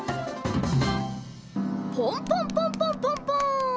ポンポンポンポンポンポン！